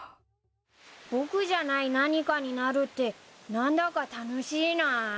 僕じゃない何かになるって何だか楽しいなあ。